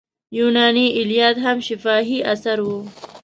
یوناني ایلیاد هم شفاهي اثر و.